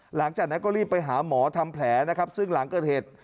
หลังจากนั้นก็รีบไปหาหมอทำแผลนะครับซึ่งหลังเกิดเหตุ